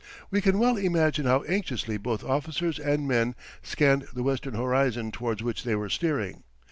We can well imagine how anxiously both officers and men scanned the western horizon towards which they were steering.